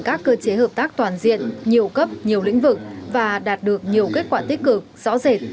các cơ chế hợp tác toàn diện nhiều cấp nhiều lĩnh vực và đạt được nhiều kết quả tích cực rõ rệt